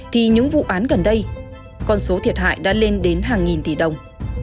thì những vụ án gần đây con số thiệt hại đã lên đến hàng nghìn tỷ đồng